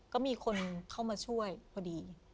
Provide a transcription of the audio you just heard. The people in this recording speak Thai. ก็มีคนเข้ามาช่วยพอดี